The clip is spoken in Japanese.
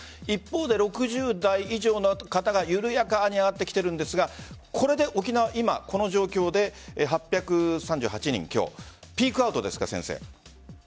一方で６０代以上の方は緩やかに上がってきているんですがこれで沖縄は今、この状況で８３８人、今日ピークアウトですか？